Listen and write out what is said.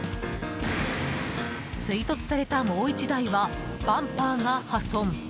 追突された、もう１台はバンパーが破損。